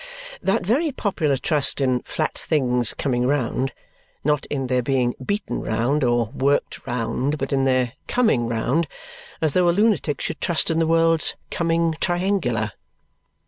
That very popular trust in flat things coming round! Not in their being beaten round, or worked round, but in their "coming" round! As though a lunatic should trust in the world's "coming" triangular!